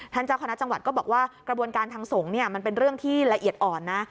เจ้าคณะจังหวัดก็บอกว่ากระบวนการทางสงฆ์มันเป็นเรื่องที่ละเอียดอ่อนนะ